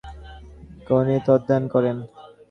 তিনি জেমস থমসনের অধীনে গণিত অধ্যয়ন করেন।